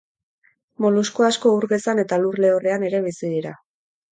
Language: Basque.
Molusku asko ur gezan eta lur-lehorrean ere bizi dira.